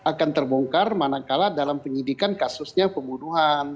akan terbongkar manakala dalam penyidikan kasusnya pembunuhan